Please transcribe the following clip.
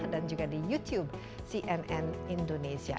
dan juga di youtube cnn indonesia